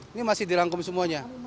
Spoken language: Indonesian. ini masih dilangkum semuanya